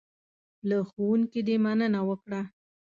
له ښوونکي دې مننه وکړه .